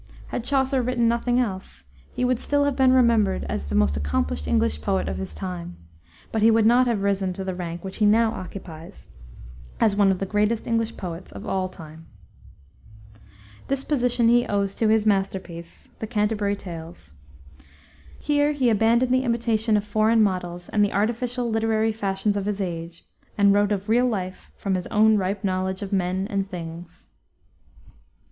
Had Chaucer written nothing else, he would still have been remembered as the most accomplished English poet of his time, but he would not have risen to the rank which he now occupies, as one of the greatest English poets of all time. This position he owes to his masterpiece, the Canterbury Tales. Here he abandoned the imitation of foreign models and the artificial literary fashions of his age, and wrote of real life from his own ripe knowledge of men and things.